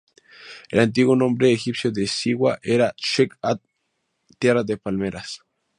El antiguo nombre egipcio de Siwa era Sekht-am "tierra de palmeras".